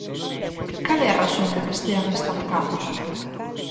¿Cal é a razón de que estean estancados?